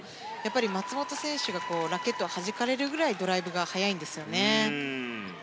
松本選手がラケットをはじかれるくらいドライブが速いんですよね。